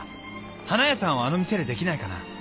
花屋さんをあの店でできないかな？